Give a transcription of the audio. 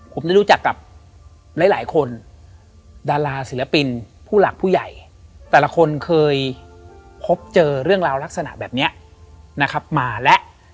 ผมได้รู้จักกับหลายหลายคนดาราศิลปินผู้หลักผู้ใหญ่แต่ละคนเคยพบเจอเรื่องราวลักษณะแบบนี้นะครับมาและ